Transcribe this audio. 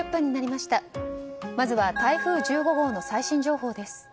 まずは台風１５号の最新情報です。